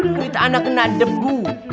skrit anak kena debu